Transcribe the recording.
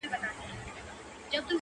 او زه به هم له مور غرونه سمندرونه ها پلو